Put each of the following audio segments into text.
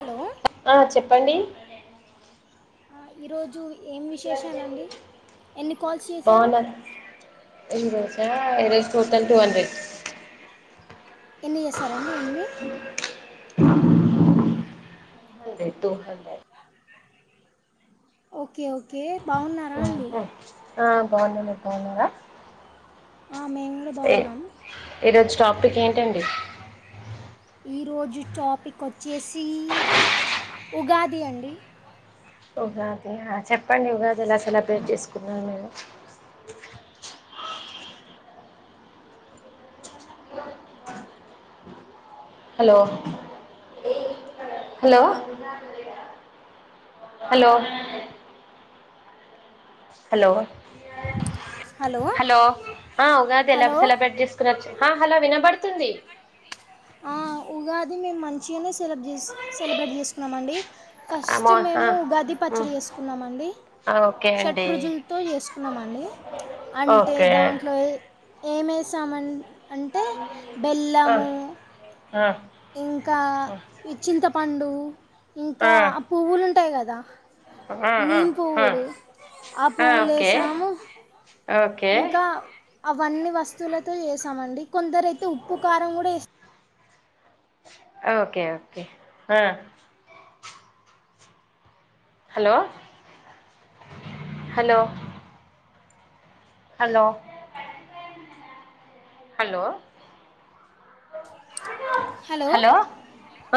Hello ఆ చెప్పండి ఆ ఈరోజు వి ఏం విశేషాలండి ఎన్ని కాల్స్ చేశారు ఆ ఈరోజ్ టూ టొంటి టూ హండ్రెడ్ ఎన్ని జేసారండి ఎన్ని two hundred two hundred okay okay బాగున్నారా అండి ఆ బాన్న మీరు బాన్నారా మేము కూడా ఏ బాగున్నాం ఈరోజు టాపిక్ ఏంటండి ఈరోజు టాపిక్ వచ్చేసి ఉగాది అండి ఉగాది ఆ చెప్పండి ఉగాది ఎలా సెలబ్రేట్ చేసుకున్నారు మీరు hello hello hello hello hello ఆ ఉగాది ఎలా హలో సెలబ్రేట్ చేసుకుచ్చు ఆ హలో విన బడుతుంది ఆ ఉగాది మేము మంచిగానే సెలబ్ జేస్ సెలబ్రేట్ చేసుకున్నామండి ఆ ఫస్ట్ మా ఆ మేము ఉగాది ఉమ్. పచ్చడి జేసుకున్నామండి ఆ ఓకే షట్ అండి రుజులతో చేసుకున్నామండి అంటే ఓకే దాంట్లో ఏమేశామన్ అంటే ఆ బెల్లము ఆ ఇంకా ఆ ఈ చింతపండు ఇంకా ఆ పువ్వులు ఉంటాయ్ కదా ఆ ఆ నీమ్ ఆ పువ్వులు ఆ పువ్వులేసాము ఓకే ఇంకా అవన్నీ వస్తువులతో ఏసామండి కొందరు అయితే ఉప్పు కారం కూడా ఏస్ ఆ ఓకే ఓకే ఆ hello hello hello hello hello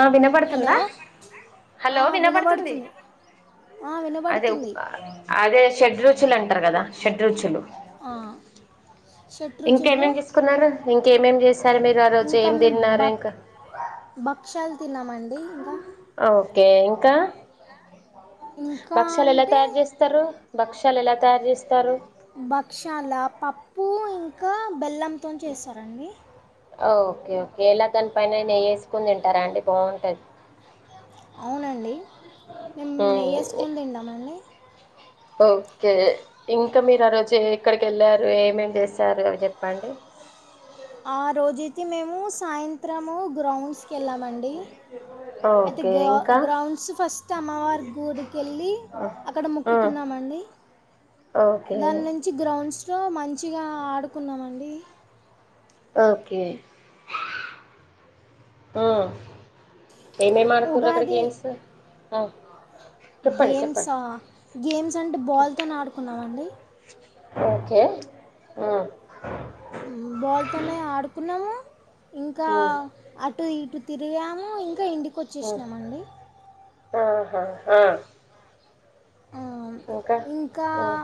ఆ హలో వినపడుతుందా ఆ, హలో వినపడుతుంది వినబడుతుంది ఆ, అదే వినబడుతుంది అదే షెడ్ రు చులు అంటారు కదా షెడ్ రుచులు ఆ, షడ్రుచులు ఇంకేమేమి తీసుకున్నారు ఇంకేమేమి చేస్తారు మీరు ఆ రోజు ఏం తిన్నారు ఇంకా భక్షలు తిన్నామండి ఇంకా ఓకే ఇంకా ఇంకా భక్షలు ఎలా అంటే తయారు చేస్తారు భక్షలు ఎలా తయారు చేస్తారు క్షాల పప్పు ఇంకా బెల్లంతోనీ చేస్తారండి ఓకే ఓకే ఇలా దాని పనైనా చేసుకొని తింటారా అండి బాగుంటది అండి మేము నెయ్యి మ్మ్ వేసుకొని తింటామండీ ఓకే ఇంకా మీరు ఆ రోజు ఎక్కడికి వెళ్ళారు ఏమేం చేశారు అవి చెప్పండి ఆరోజైతే మేము సాయంత్రం గ్రౌండ్స్ కీ వెళ్ళాం అండి అయితే ఓకే గౌ ఇంకా గ్రౌండ్స్ ఫస్ట్ అమ్మవారి గుడికి వెళ్ళి అక్కడ మ్మ్ మొక్కుకున్నామండి ఓకే దాని నుంచి గ్రౌండ్స్ లో మంచిగా ఆడుకున్నామ అండి ఓకే ఏమేం ఆడుతారు అక్కడ గేమ్స్ ఆ గేమ్స్ఆ గేమ్స్ అంటే బాల్తోనే ఆడుకున్నామండి ఓకే బాల్ తోనే ఆడుకున్నాము ఇంకా మ్మ్ అటు ఇటు తిరిగాము ఇంకా ఇంటికి మ్మ్ వచ్చేసినామండి ఆహా ఆ ఇంకా మ్మ్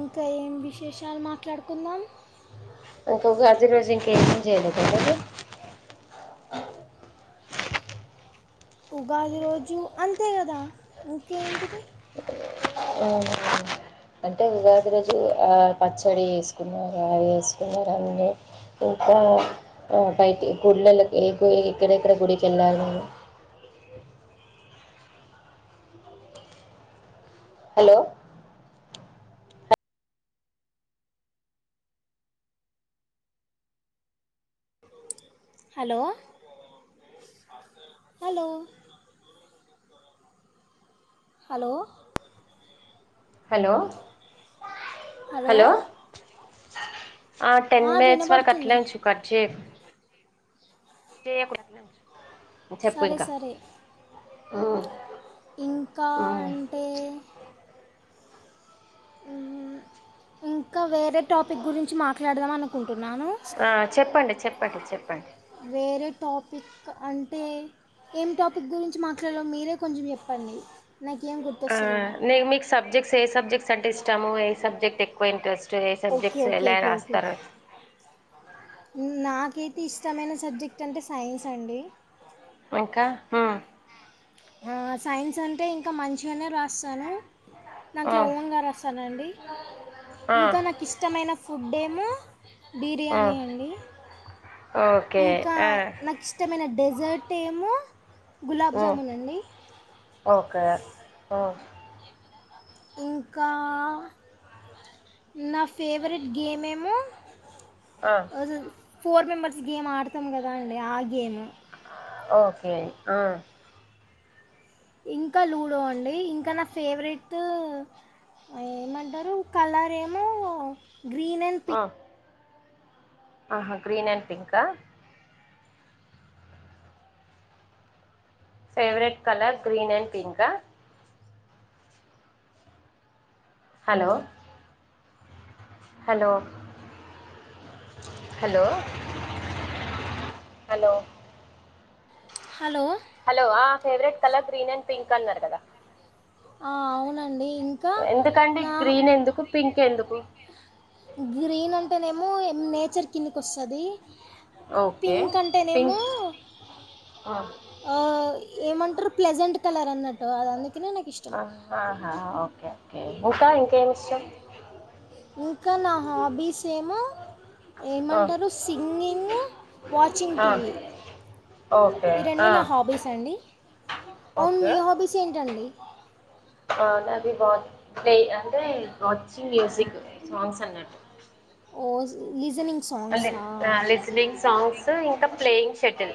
ఇంకా ఏం విశేషాలు మా ట్లాడుకుందాం అంక ఆది రోజు ఇంకేం చేయలేద [inaudible] ఉగాది రోజు అంతే కదా ఇంకేంటిది [inaudible] అంటే ఉగాది రోజు పచ్చడి వేసుకున్నారు అవి వేసుకున్నారు అన్నీ ఇంకా బయటి గుళ్ళలో ఎక్కడెక్కడ గుడికి వెళ్ళాలి [inaudible] hello hello hello hello hello hello ఆ టెన్ మినిట్స్ వరకు అట్లే ఉంచు కట్ చేయకు చేయకుండా చెప్పు సరే ఇంకా సరే ఇంకా అంటే ఇంకా వేరే టాపిక్ గురించి మాట్లాడదాం అనుకుం కుంటున్నాను ఆ చెప్పండి చెప్పండి చెప్పండి వేరే టాపిక్ అంటే ఏం టాపిక్ గురించి మాట్లాడాలో మీరే కొంచెం చెప్పండి నాకేం ఆ గుర్తొస్తలేదు మీకు సబ్జెక్ట్స్ ఏ సబ్జెక్ట్స్ అంటే ఇష్టము ఏ సబ్జెక్ట్ ఎక్కువ ఇంట్రెస్ట్ ఏ ఓకే సబ్జెక్ట్స్ ఓకే ఎలా ఓకే ఓకే ఓకే రాస్తారు నాకైతే ఇష్టమైన సబ్జెక్ట్ అంటే సైన్స్ అండి ఇంకా ఆ ఆ సైన్స్ అంటే ఇంకా మంచిగానే రాస్తాను ఆ దంట్లో ఓన్ గారు రాస్తానండి ఆ ఇంకా నాకు ఇష్టమైన ఫుడ్ ఏమో ఆ బిర్యానీ అండి ఓకే ఇంకా ఆ నాకు ఇష్టమైన డెజర్ట్ ఏమో గులాబ్ ఆ జామున్ అండి ఓకే ఆ ఇంకా నా ఫేవరెట్ గేమ్ ఏమో ఆ ఫోర్ మెంబర్స్ గేమ్ ఆడతాం కదా అండి ఆ గేమ్ ఓకే ఆ ఇంకా లూడో అండి ఇంకా నా ఫేవరెట్ ఏమంటరు కలర్ ఏమో గ్రీన్ అండ్ ఆ పింక్ ఆహా గ్రీన్ అండ్ పింకా ఫేవరెట్ కలర్ గ్రీన్ అండ్ పింకా hello hello hello hello hello hello ఆ favourite colour green and pink అన్నారు కదా ఆ అవునండి ఇంకా ఎందుకండి నా గ్రీన్ ఎందుకు పింక్ ఎందుకు గ్రీన్ అంటేనేమో నేచర్ కిందికి వస్తుంది ఓకే పింక్ అంటేనేమో పింక్ ఆ ఆ ఏమంటర్రు ప్లెజెంట్ కలర్ అన్నట్టు అది అందు ఆహా ఓకే ఓకే ఇంకా ఇంకేమి ఇష్టం ఇంకా నా హాబీస్ ఏమో ఆ ఏమంటరు సింగింగ్ వాచింగ్ ఆ టీవీ ఓకే ఈ రెండు ఆ నా హాబీస్ అండి అవును మీ హాబీస్ ఏంటండి అవునది వా ప్లే అంటే వాచింగ్ మ్యూజిక్ సాంగ్స్ అన్నట్టు [unintelligible] సాంగ్సా ఆ లిస్నింగ్ సాంగ్స్ ఇంకా playing shuttle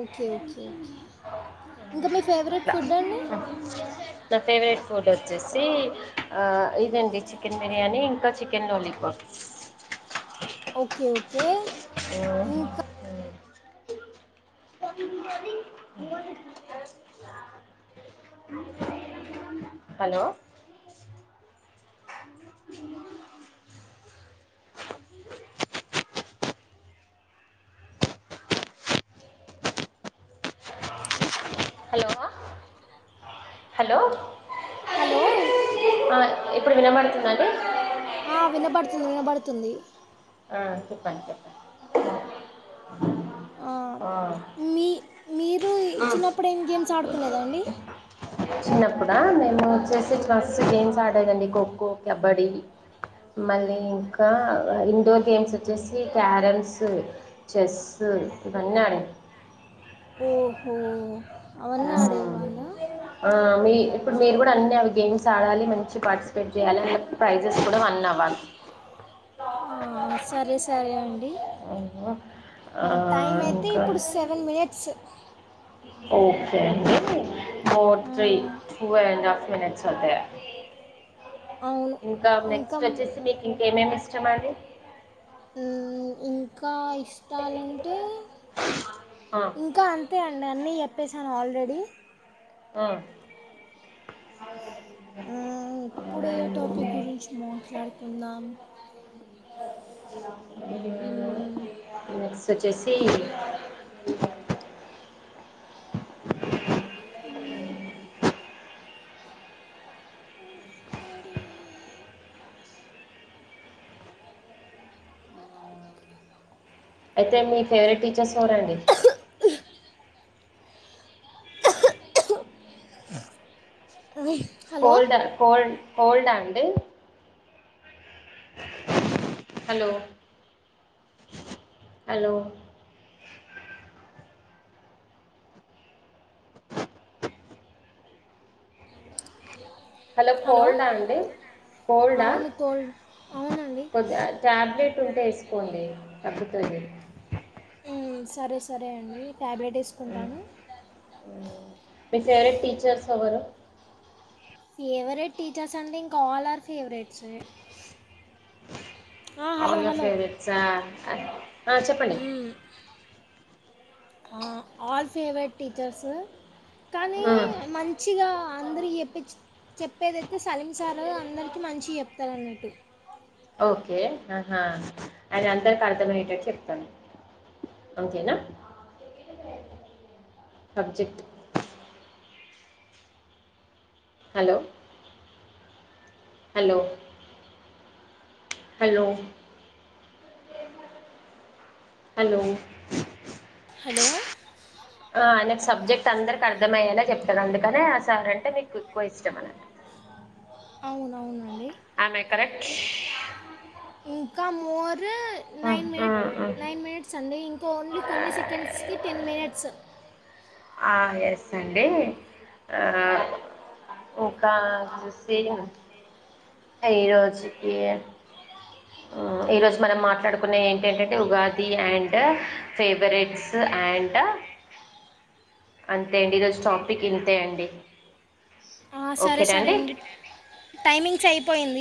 okay okay okay ఇంకా మీ ఫేవరెట్ ఫుడ్ అండి నా ఫేవరేట్ ఫుడ్డు వచ్చేసి ఆ ఇదండి చికెన్ బిర్యానీ ఇంకా చికెన్ లాలీపాప్ ఓకే ఓకే ఇంకా ఆ హలో అ హలో హలో హలో ఇ ఆ, ఇప్పుడు వినబడుతుందా అండి ఆ వినబడుతుంది వినబడుతుంది ఆ చెప్పండి చెప్పండి ఆ మీ మీ మీరు ఈ చిన్నప్పుడు ఏం గేమ్స్ ఆడుకోలేదా అండి చిన్నప్పుడా మేము చెస్ ఫస్ట్ గేమ్స్ ఆడేదండి ఖోఖో కబడ్డీ మళ్ళీ ఇంకా ఇ ఇండోర్ గేమ్స్ వచ్చేసి క్యారమ్స్ చెస్సు ఇవన్నీ ఆడే ఓహో అవన్నీ ఆడేవాళ్ళా ఆ మీ ఇప్పుడు మీరు అన్ని అవి గేమ్స్ ఆడాలి మంచి పార్టిసిపేట్ చేయాలి అందు ప్రైజెస్ కూడా వన్ అవ్వాలి ఆ సరే సరే అండి ఆ, టైం అయితే ఇంకా ఇప్పుడు సెవెన్ మినిట్స్ ఓకే అండి ఫోర్ త్రీ మ్మ్. టూ అండ్ హాఫ్ మినిట్స్ అదా అవును ఇంకా నెక్స్ట్ వచ్చేసి మీకు ఇంకేమేమి ఇష్టం అండి హ్మ్ ఇంకా ఇష్టాలంటే ఇంక అంతే అండి అన్నీ చెప్పేసాను ఆల్రెడీ ఆ ఇప్పుడ ఏ టాపిక్ గురించి మాట్లాడుకుందాం మ్మ్, నెక్స్ట్ వచ్చేసి అ అయితే మీ ఫేవరెట్ టీచర్స్ ఎవరండి హలో కోల్డ్ కోల్ కోల్డ్ అండి హలో హలో హలో ఫన్డా అండి కోల్డా అవును కోల్డ్ అవునండి కొద్ది టాబ్లెట్ ఉంటే సుకోండి తగ్గుతుంది సరే సరే అండి ట్యాబ్లెట్ వేసుకుంటాను మీ ఫెవెట్ టీచర్స్ ఎవరు ఫేవరెట్ టీచర్స్ అంటే ఇంకా ఆల్ ఆర్ ఫేవరెట్స్ హలో ఆ హలో ఫేవరెట్సా చెప్పండి మ్మ్, ఆల్ ఫేవరేట్ టీచర్స్ కానీ మంచిగా అందరు చెప్ప చెప్పేదైతే సలీం సార అందరికీ మంచి చెప్తారన్నట్టు ఓకే ఆహా ఆయన అందరికి అర్థమనేటట్టు చెప్తారూ అంతేనా subject hello hello hello hello hello ఆ నాకు సబ్జెక్ట్ అందరిక అర్థంమయ్యేలా చెప్తారూ అందుకనే ఆ సార్ అంటే మీకు ఎక్కువ ఇష్టం అన అవునవును ఆమె కరెక్ట్ ఇంకా more nine minute nine minutes అండి ఇంకా ఓన్లీ కొన్ని సెకం కెన్స్కి టెన్ మినిట్స్ ఆ ఎస్ అండి ఇంకా చూసి అరోోజుకి ఈరోోజు మనం మాట్లాడుకునే ఏంటంటంటే ఉగాది అండ్ ఫేవరెట్స్ అండ్ అంతే అండి ఈరోజు టాపిక్ ఇంతే అండి సరే సరే అండి టైమింగ్స్ అయిపోయింది